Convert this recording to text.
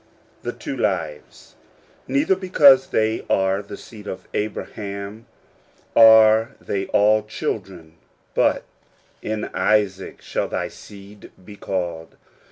THE TWO LIVES. "Neither, because they are the seed of Abraham, are they all children: but, in Isaac shall thy seed be called.